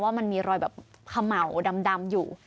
ว่ามันมีรอยแบบขะเหมาดำอยู่